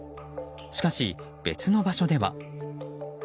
しかし、別の場所では。